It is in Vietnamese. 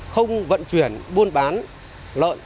không vận chuyển buôn bán lợn